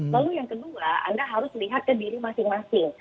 lalu yang kedua anda harus lihat ke diri masing masing